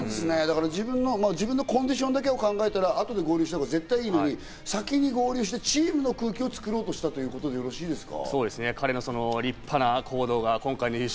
自分のコンディションだけを考えたら、後で合流した方が良いのに、先に合流してチームの空気を作ろうとしたということでよろしいですか？